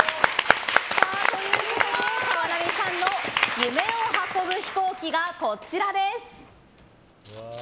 川波さんの夢を運ぶ飛行機がこちらです。